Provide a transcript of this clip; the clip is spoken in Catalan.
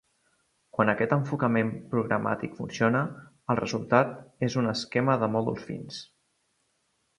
Quan aquest enfocament programàtic funciona, el resultat és un "esquema de mòduls fins".